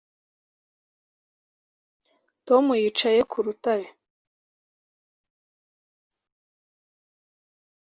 Tom yicaye ku rutare